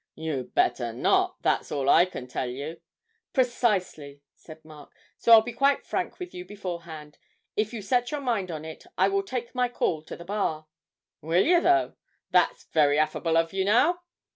'You'd better not: that's all I can tell you!' 'Precisely,' said Mark; 'so I'll be quite frank with you beforehand. If you set your mind on it, I will take my call to the Bar.' 'Will yer, though? That's very affable of you, now!'